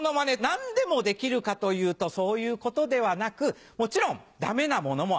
何でもできるかというとそういうことではなくもちろんダメなものもある。